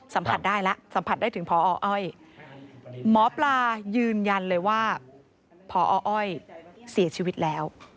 สัมผัสได้แล้วสัมผัสได้ถึงพออ้อยหมอปลายืนยันเลยว่าพออ้อยเสียชีวิตแล้ว